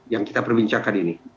yang kita perbincangkan ini